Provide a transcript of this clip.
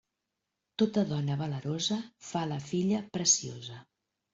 Tota dona valerosa fa la filla preciosa.